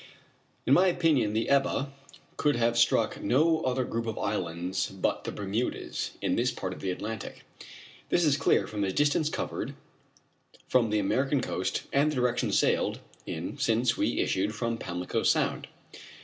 In my opinion the Ebba could have struck no other group of islands but the Bermudas in this part of the Atlantic. This is clear from the distance covered from the American coast and the direction sailed in since we issued from Pamlico Sound.